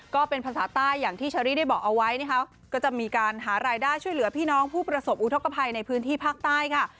ก็จะมีการหารายได้ช่วยเหลือพี่น้องผู้ประสบอุทธกภัยในพื้นที่ภาคใต้ค่ะ